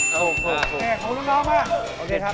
ของลุงน้องมาก